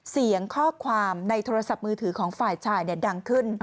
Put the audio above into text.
เสียงข้อความในโทรศัพท์มือถือของฝ่ายชายดังขึ้น